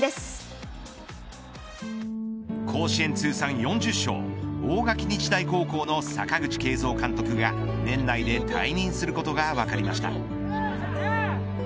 甲子園通算４０勝大垣日大高校の阪口慶三監督が年内で退任することが分かりました。